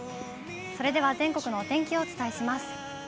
それでは全国のお天気をお伝えします。